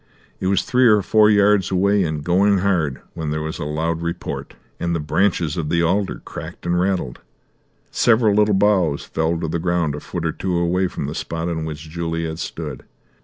It was three or four yards away, and going hard, when there was a loud report, and the branches of the alder cracked and rattled. Several little boughs fell to the ground a foot or two away from the spot on which Juliet stood.